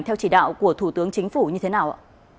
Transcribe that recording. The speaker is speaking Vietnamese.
theo chỉ đạo của thủ tướng chính phủ như thế nào ạ